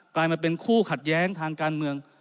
กลายมาเป็นคู่ขัดแย้งทางการเมือง